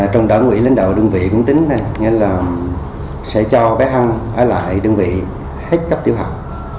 trong đảng quỹ lãnh đạo đơn vị cũng tính là sẽ cho bé hân ở lại đơn vị hết cấp tiểu học